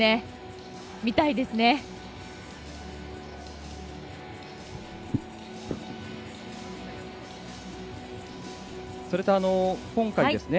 見たいですね。